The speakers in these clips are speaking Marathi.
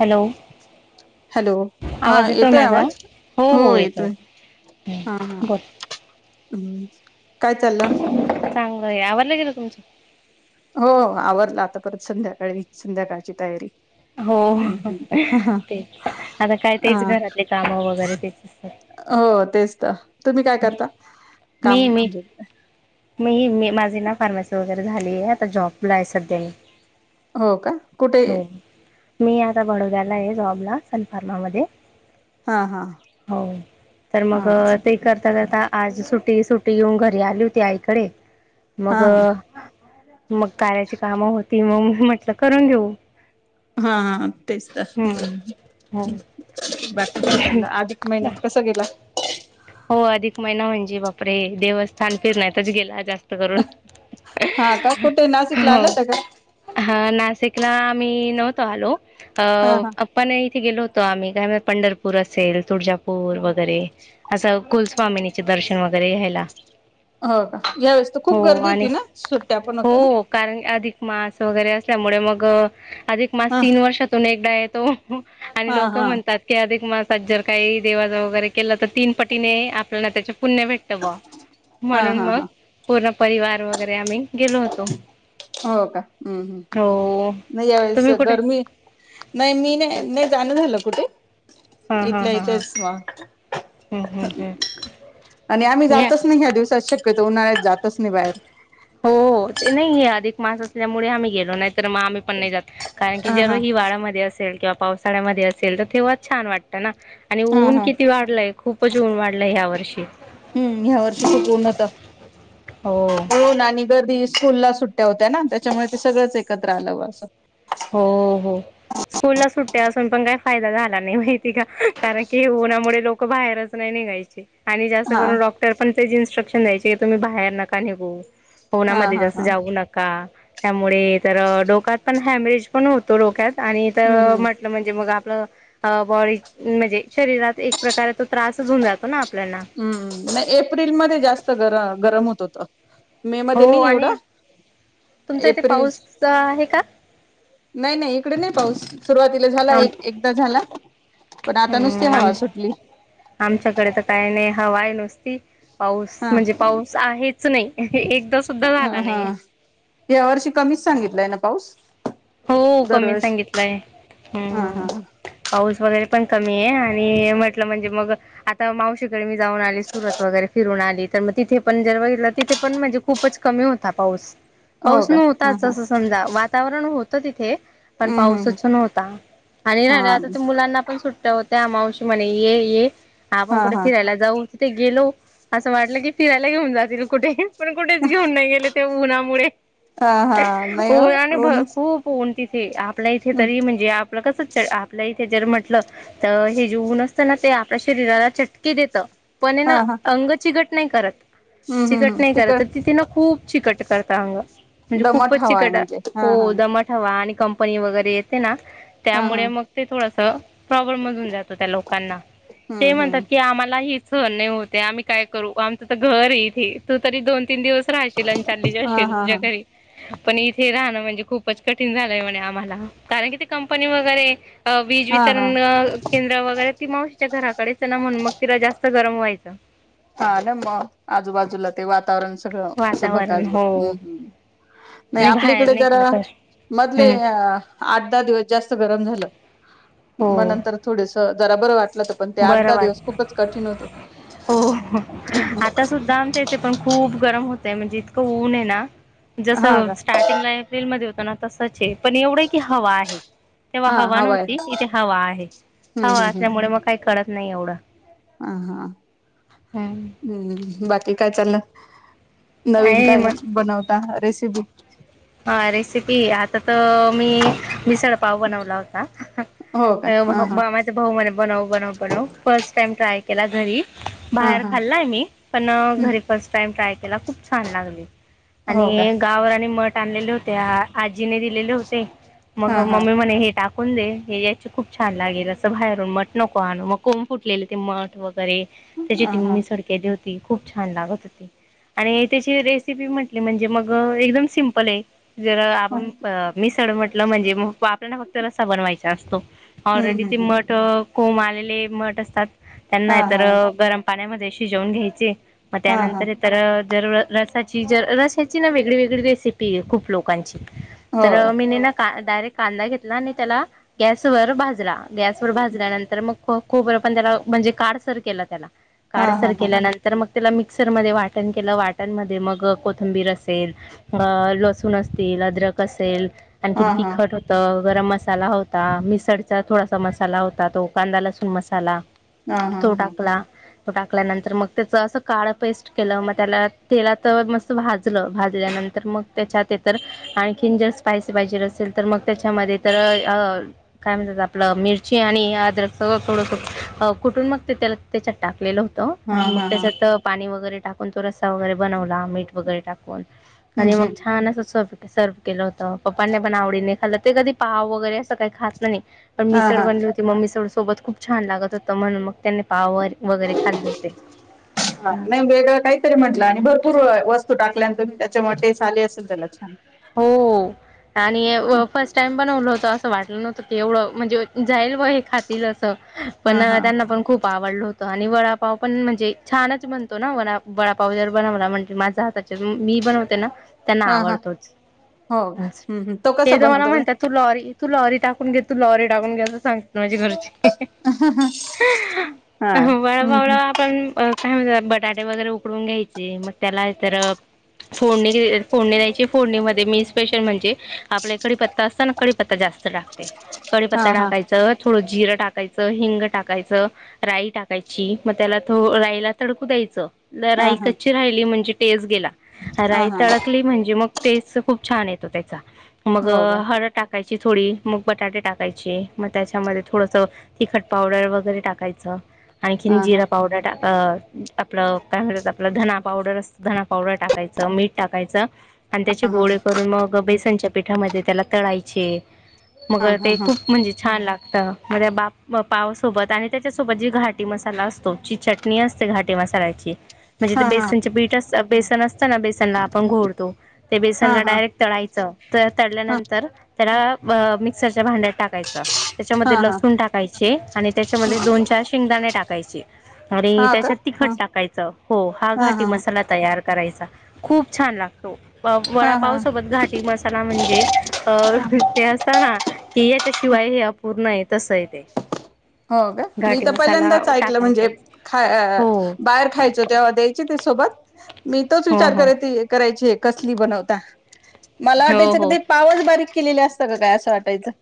हॅलो हॅलो हा आवाज येतोय माझा आवाज हो येतोय हा बोल हम्म काय चाललं चांगलं आहे आ गेलं तुमचं हो आवरल आता परत संध्याकाळी संध्याकाळची तयारी हो हम्म हम्म तेच आता काय तेच हा घरातले कामं वगैरे ते हो तेच तर तुम्ही काय करता काम मी मी म्हणजे. मी मी माझी ना फार्मसी वगैरे झालीय आता जॉबला आहे सध्या मी. हो का कुठे? हो मी आता बडोद्याला आहे जॉबला सनफार्मा मध्ये. हा हा हो तर मग हां ते. तर आता आज सुटी सुटी येऊन घरी आली होती आईकडे. मग हा मग कार्याची कामं होती मग. म्हटलं करून घेऊ. हा हा तेच तर हम्म हम् हो बाकी काय चालयं आधिक महिना कसा गेला [inaudible] हो अधिक महिना म्हणजे बापरे देवस्थान फिरण्यातच गेला जास्त करून. हा का कुठे नाशिकला आलं होता का? अ नाशिकला आम्ही नव्हतो आलो. अ हा हा आप्पने इथे गेलो होतो त आम्ही काय म्ह पंढरपूर असेल तुळजापूर वगैरे असं कुलस्वामिनीचे दर्शन वगैरे घ्यायला. हो का यावेेळेस तर खूप हो गर्दी आणि होती ना सुट्ट्या पण होत्या ना. हो कारण अधिक मास वगैरे असल्यामुळे मग. अधिक मास् हा तीन वर्षातून एकदा येतो तो. आणि हा लोकं हा म्हणतात की अधिक मास त्यात जर काही देवाच वगैरे केला तर तीन पटीने आपल्याला त्याच्या पुण्य भेटत बॉ हा म्हणून हा मग हा पूरब परिवार वगैरे आम्ही गेलो होतो. हो का हं - हं - हं हो नाही यावेेळेस तुम्ही कुठे गरमी नाही मी नाही - नाही जाणं झालं कुठे? हा हा इथल्या हा हा इथंच वा हम्म हम्म हम्म आणि आम्ही या जातच नाही ह्या दिवसात शक्यतो उन्हाळ्यात जातच नी बायर. हो नाही हे अधिक मास असल्यामुळे आम्ही गेलो नाही तर मग आम्ही पण नाही जात कारण की हा जर हा हिवाळामध्ये असेल किंवा पावसाळ्यामध्ये असेल तर तेव्हाच छान वाटतं ना. आणि हा ऊन हा किती वाढलंय खूपच ऊन वाढलंय ह्या वर्षी. हो ना नी गर्दी स्कूलला सुट्ट्या होत्या ना त्याच्यामुळे ते सगळंच एकत्र आलं वा असं. हो - हो स्कूलला सुट्ट्या असून पण काही फायदा झाला नाही माहिती का कारण की ऊन्हामुळे लोकं बाहेरच नाही निघायचे. आणि जास्त हा करू डॉक्टर पण तेच इन्स्ट्रक्शन द्यायचे तुम्ही बाहेर नका निघू. हा उन्हामध्ये हा जास्स हा जाऊ नका. त्यामुळे तर अ डोक्यात पण हॅम्रेज पण होतो डोक्यात आणि हम्म तर हम्म म्हटलं म्हणजे मग आप पल अं बॉडी म्हणजे शरीरात एक प्रकारे तो त्रासच होऊन जातो ना आपल्याना. हम्म नाही एप्रिल मध्ये जास्त गर गरम होतं त हो आणि तुमचा इथे एप्रिल पाऊस्स आहे का? कडे नाही पाऊस. सुरुवातीला झाला आम एक एकदा झाला. पण आता नुसती हम्म हवा आम सुटली. आमच्याकडे तर काय नै हवा आहे नुसती. पाऊस हा म्हणजे पाऊस आहेच नई हे एकदा सुद्धा झाला नाही. हे वर्षी कमीच सांगितलंय ना पाऊस हो कमी दरवर्षी सांगितलाय हा हा ह् पाऊस वगैरे पण कमी आहे आणि म्हटलं म्हणजे मग आता मावशीकडे मी जाऊन आले सुरत वगैरे फिरून आली तर मग तिथे पण जर वघितलं तिथे पण म्हणजे खूपच कमी होता पाऊस हो पाऊस का हा नव्हताच हा असं समजा वातावरण होत तर तिथे पण हम्म हम्म पाऊसच नव्हता आणि हा राला आता ते मुलांना पण सुट्ट्या होत त्या अमावशी म्हणे ये ये ह आपण हा कुठ हा फरयला जाऊ तिथे गेलो असं वाटलं की फिरायला घेऊन जातील कुठे पण कुठेच घेऊन नाहीे ते उ ना मुळे हा हा नाही हो ना णतीथे आप आपल्या इथे तरी म्हणजे आप आपलं कसं आपल्या इथे जर म्हटलं तर हे जेऊन असताना ते आपल्या शरीराला चटके देत पण हा ना हा अंगची गट नाही करत. हम्म हम्म चिकट हम् नाही कत तिकड तर तिथे ना खूप चिकट करता अंग म्हणजे दमट खूपच हवा आहे चिकटा म्हणजे हा हो हा दमट आणि कंपनी वगैरे येते ना हा हा त्यामुळे मग ते थोडस प्रॉब्लेम मधून जात. त्या लोकांना ते हम्म म्हणतात हम्म की आम्हाला हि सहन नाही होते, आम्ही काय करू आमचं तर घर ये इथे तू तरी दोन तीन दिवस राहशील आणि चाली हा जाशील हा तुझ्या हा घरी! पण इथे राहणं म्हणजे खूप खूपच कठीण झालंय म्हणे आम्हाला कारण किती कंपनी वगैरे अ वीज हा वितरण हा केंद्र वगैरे ती मावशीच्या घराकडेच ना म्हणून मग तिला जास्त गरम व्हायचं. हा ना मग आजूबाजूला ते वातावरण सगळं अस वातावरण भकास हो भकास, हम्मम् नाही आणि आपली बाहेर इकडे ज निघण्याचा मधले हम्म आठ दहा दिवस जास्त गरम झालं. मग हो नंतर थोडेस जरा बर वाट लं पण ते आठ बरं दहा दिवस वाटतं खूपच कठीण होते. हो आता सुद्धा आमच्या येते पण खूप खूप गरम होतय म्हणजे इतकं ऊन आहे ना हा जसं का स्टार्टिंगला एप्रिलमध्ये होत ना तसच ये! पण एवढं की हवा आहे तेव्हा हा हवा आहे नव्हती इथे हवा आहे हवा असल्यामुळे मग कळत नाही एवढं. ह हा हम्म बाकी काय चाललं? नवीन काय बनवता रेसि [unintelligible] हा रेसिपी आता तर मी मिसळ पाव बनवत लावता हो का अ हा हा मामा चे भाऊ म्हणे बनव बनव बनव फर्स्ट टाइम ट्राय केला घरी हा बाहेर हा खाल्लाय मी पण हम्म घरी फस्ट टाइम ट्राय केला खूप छान लागली हो का आणि गावरानी मठ आणलेले होते आजीने दिलेले होते मग हा हा मम्मी म्हणे हे टाक कून दे हे याचे खूप छान लागेल असं बाहेरून मठ नको आणू मग कोम फुटलेले ते मठ वग बरे त्याची ह ती हा मिसळ केली होती ती खूप छान लागत होती आणि त्याची रेसिपी म्हटली म्हणजे मग एकदम सिम पल जरा हम्म आपण अ मिस ड मटलं म्हणजे म व आपल्याला फक्त रस्सा बनवाय चा असतो. ऑलरेडी हम्म ती हम्म मठ कोम आलेले मठ असतात त्यांना हा ए तर हा गरम पाण्यामध्ये ते शिजवून घ्यायचे मग हा हा त्यानंतरी तर जर रसाची जर रसाची ना वेगळी वेगळी रेसि पी ए खूप लोकांची. हो तर मी नाही ना का डायरेक्ट कांदा घेतला आणि त्याला गॅसवरर भाजला गॅसवरर भाजल्यानंतर मग खोबरं पण त्याला म्हणजे काड सर केला त्याला हा काडसार हा हा केेल्या नंतर मग त्याला मिक्सरमध्ये वाटण केलं वाटण म मग कोथंबीर असेल अ लसुून अस तील अद्रक असेल हा आणखीन हा तिखट होत गरम मसाला होता मिसळचा थोडासा मसाला होता तो कांदा लसूण मसाला हा हा तो हा टाकला टाकल्यानंतर मग त्याच असं काळं पेस्ट केलं मग त्याला तेला तर मस्त भाजलं भाजल्यानंतर तर मग त्याच्यात तर आणखीन जर स्पायसी पाहिजे असेल तर मग त्याच्यामध्ये तर काय म्हणतात आपलं मिरची आणि अदरक सगळं थोडंस कुठून मग ते त्या त्याच्यात टाकलेलं होत हा आणि मग हा हा त्याच्यात पाणी वगैरे टाकून तो रस्ता वगैरे बनवला मीठ वगैरे टाकून हम्म आणि मग हम्म छान अस सर्व केलं होत प्पाने पण आवडीने खाल् ते कधी पाव वगैरे खात नाही हा मि हा बली म सोबत खूप छान लागत होतं म्हण मग त्यानी ह नाही असं वेगळ काहीतरी म्हंटलं आणि भरपूर वस्तू टाक तुम् त्याच्या मच आले असेल त्याला छान हो आणि फर्स्ट टाइम बनवल होत असं वाटलं नव्हतं तेवढं म्हणजे जाईल व हे खातील पण हा हा त्यांना पण खूप आवडल होत आणि ब डपाव पण म्हणजे छानच बनतो ना वडापाव जर बनवला म्हणजे माझा हाताच्या मी बनवते ना त्यांना हा हा आवडतोच. हो हम्मम् तो कसा ते तर मला बनवत? म्हणतात तू लॉरी तू लॉरी टाकून घेत तू लॉरी टाकून घे सांगत माझी घरची हा हम्म बाळाबावळा हम्म आपण काय म्हणत बटाटे वगैरे उकडून घ्यायचे मग त्याला तर फोडणी फोडणी द्यायची फोडणीमध्ये मी स्पेशल म्हणजे आपल्या कडीी पत्ता असतना कडीपत्ता जास्त टाकते हा कडीपत्ता हा टाकायं थोडं जिर टाकायचं हिंग टाकायचं राई टाकायची मग त्याला राईला तडकू द्यायचं जरा हा राई हा कच्ची राहिली म्हणजे टेस् गेला. हा राई हा तडकली म्हणजे मग ते खूप छान येतो त्याचा मग हो का हळद टाकायची थोडी मग बटाटे टाकायचे मग त्याच्यामध्ये थोडस तिखट पावडर वगैरे टाकायचं आणखीन हा हा जिरा पावडर टा आपलं काय म्हणतात आपला धना पावडर अस ध पावडर टाकायचं, मीठ टाकायचं आणि त्याचे हा गोळे ग पै. त्यांच्या पिठामध्ये त्याला तळायचे मग हा हा ते हा खूप म्हणजे छान लाग म्हणजे बाप पावसोबत आणि त्याच्यासोबत जी घाटी मसाला असतो जी चटणी असते घाटी मसाल्याची म्हणजे ते हा हा बेसनचे बीठ बेसन असताना बेसनला आपण घोळतो हा त्यांना हा हा डायरेक्ट तळायचं तर हा तळल्यानंतर त्याला मिक्सरच्या भांड्यात. टाकायच हा त्याच्यामध्ये हा लसूण टाकायचे आणि त्याच्यामध्ये दोन चार शेंगदाणे टाकायचे आणि हा का त्याच्यात तिखट हा टाकायचं हो हा घाटी मसाला तयार करायचा खूप छान लागतो. अ हा वड हा हा पावसोबत घाटी मसाला म्हणजे अ ते असताना. की याच्याशिवाय हे अपूर्ण आहे तस आहे ते हो का मी घाटी तर मसाला पहिल्यांदाच ऐकलं म्हणजे टाकायचाच खा हो बाहेर खायचो तेव्हा द्यायची ते सोबत मी तोच हो विचार हो करराय करायची एक कसली बनवता. मला हो वाटायचं क हो ते पावस बारीक. केले असतं काय असं वा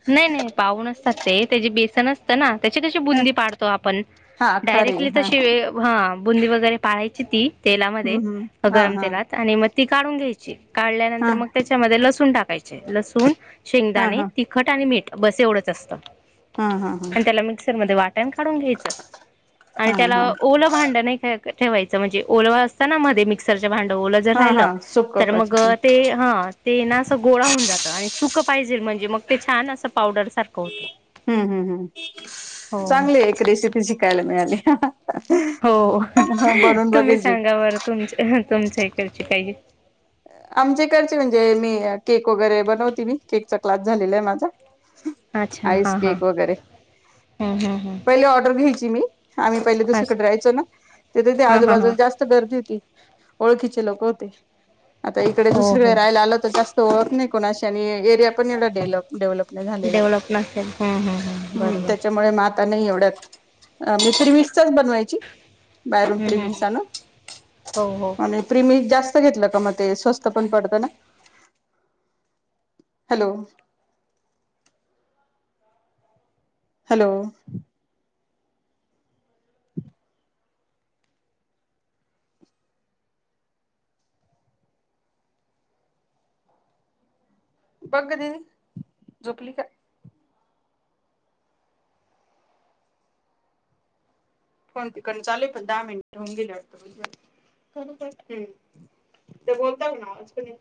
नाही नाही पाऊून असतात ते त्याची बेसन अस. ना. त्याची कशी ह बुंदी पाडतो आपण हा खरे डायरेक्टली हा तशी हा. बुंदी वगैरे पाळायची ती तेलामध्ये हम्म हम्म हा गरम हा तेलात आणि मग ती काढून घ्यायची. काढल्यानंतर हा मग त्याच्यामध्ये लसून टाक. लसूण. हा शेंगदाणे. हा आणि मीठ बस एवढंच असत. हा हा हा आणि त्याला मिक्सर मध्ये वाट काढून घ्यायचं आणि हा त्याला हा ओलं भांड नाही घ्यायचं. ठेवायचं म्हणजे ओल असता ना मध्ये मिक्सर भांड जर हा हा राहिलं तर मग सुपकपाची ते ह ते ना. गोळा होऊन जातं आणि सुख पाहिजे म्हणजे मग ते छान असं पावडर सारखं होतं. हम्म हम् हम् हो चांगली एक रेसिपी शिकायला मिळाली. [unintelligible] हो बनून तुम्ही बघेल मी सांगा बरं तुमच तुमच्या इकड ची काही आमचेकडचे म्हणजे मी केक वगैरे बनवते मी केकचा क्लास झालेला आहे माझा. अच्छा आईस हा हा केक वगैरे हम्म हम्म हम्म पहिले ऑर्डर घ्यायची. मी आम्ही पहिले अस दुसरीकडे राहयचो ना तिथ हा हा हा आजूबाजूला जास्त गर्दी होती. ओळखीचे लोक होते. आता इकडे हो दुसरीकडे हो राहायला आलो तर जास्त ओळख नाही कुणा ची आणि एरिया पण एवढ डेव्हलप नाही झालेला डेव्हलप नसेल हम्म हम्म हम्म बरोबर त्याच्यामुळे म नाही एवडत मी तरी बनवायची बाहेरून हम्म हम्म प्रिमिक्स आणून हो हो घेतलं का म ते स्वस्त पण पडत ना. हॅलो हॅलो बघ ग दिदी झोपली का? फोन तिकडं न चालूय पण दहा मिनिट होऊन गेली ते बोलता ना.